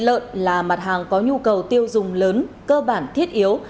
công an có nhu cầu tiêu dùng lớn cơ bản thiết yếu